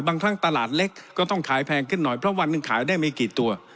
บางครั้งตลาดเล็กก็ต้องขายแพงขึ้นหน่อยเพราะวันหนึ่งขายได้ไม่กี่ตัว